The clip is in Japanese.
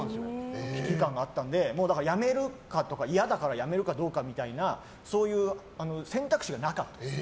危機感があったのでもう、嫌だからやめるかどうかみたいなそういう選択肢がなかったです。